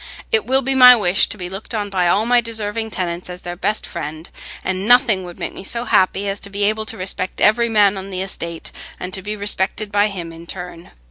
It will be my wish to be looked on by all my deserving tenants as their best friend, and nothing would make me so happy as to be able to respect every man on the estate, and to be respected by him in return.